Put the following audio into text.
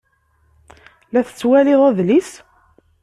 La tettwalid adlis?